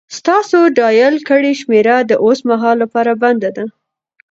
ستاسو ډائل کړې شمېره د اوس مهال لپاره بنده ده